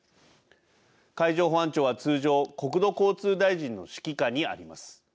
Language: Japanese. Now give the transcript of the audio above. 海上保安庁は通常国土交通大臣の指揮下にあります。